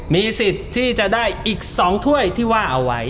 มีสิทธิ์ที่จะได้อีก๒ถ้วยที่ว่าเอาไว้